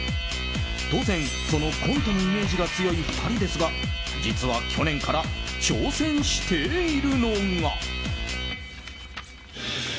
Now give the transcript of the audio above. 当然、そのコントのイメージが強い２人ですが実は去年から挑戦しているのが。